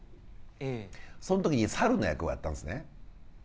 その時に猿の役をやったんですね。